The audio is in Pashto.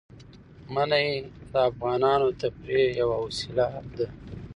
منی د افغانانو د تفریح یوه وسیله ده.